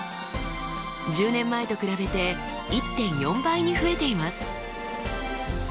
１０年前と比べて１．４倍に増えています。